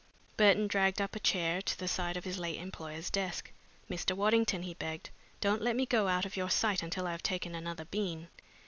Burton dragged up a chair to the side of his late employer's desk. "Mr. Waddington," he begged, "don't let me go out of your sight until I have taken another bean.